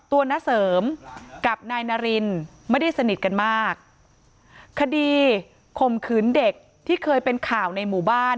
ณเสริมกับนายนารินไม่ได้สนิทกันมากคดีข่มขืนเด็กที่เคยเป็นข่าวในหมู่บ้าน